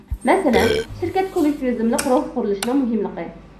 مەسىلەن: شىركەت كوللېكتىۋىزملىق روھ قۇرۇلۇشىنىڭ مۇھىملىقى.